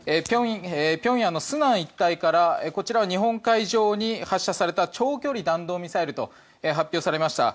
平壌の順安一帯からこちらは日本海上に発射された長距離弾道ミサイルと発表されました。